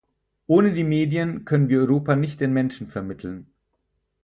Ohne die Medien können wir Europa nicht den Menschen vermitteln.